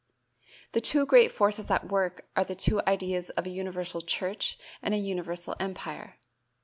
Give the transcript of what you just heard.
The two great forces at work are the two ideas of a universal church and a universal empire.